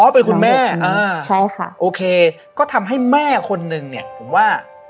เป็นคุณแม่อ่าใช่ค่ะโอเคก็ทำให้แม่คนนึงเนี่ยผมว่า